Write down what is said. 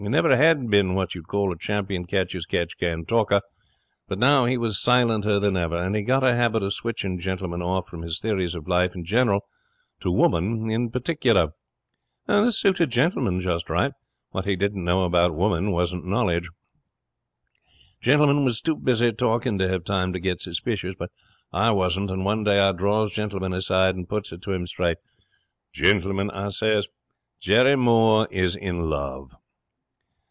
He never had been what you'd call a champion catch as catch can talker, but now he was silenter than ever. And he got a habit of switching Gentleman off from his theories on Life in general to Woman in particular. This suited Gentleman just right. What he didn't know about Woman wasn't knowledge. 'Gentleman was too busy talking to have time to get suspicious, but I wasn't; and one day I draws Gentleman aside and puts it to him straight. "Gentleman," I says, "Jerry Moore is in love!"